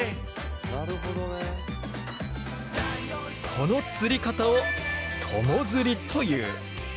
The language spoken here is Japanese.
この釣り方を友釣りという。